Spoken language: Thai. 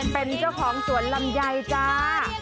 เป็นเจ้าของสวนลำไยจ้า